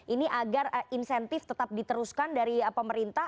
ini agar insentif tetap diteruskan dari pemerintah